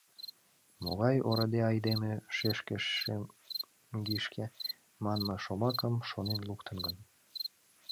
Могай ораде айдеме “шешке — шемгишке” манме шомакым шонен луктын гын?